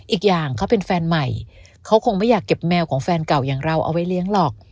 อีกอย่างเขาเป็นแฟนใหม่เขาคงไม่อยากเก็บแมวของแฟนเก่าอย่างเราเอาไว้เลี้ยงหรอก